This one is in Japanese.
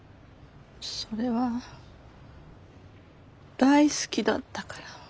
それは大好きだったから。